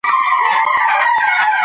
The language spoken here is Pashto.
دا غږ د بیدارۍ د نښو څخه معلومېده.